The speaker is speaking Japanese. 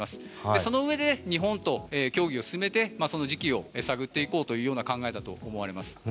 そのうえで、日本と協議を進めて時期を探っていこうという考えだと思われます。